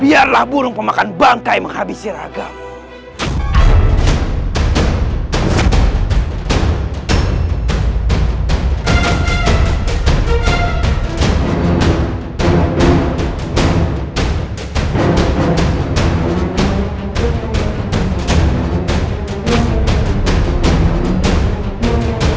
biarlah burung pemakan bangkai menghabisi ragammu